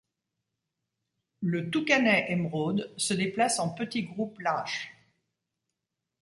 Le Toucanet émeraude se déplace en petits groupes lâches.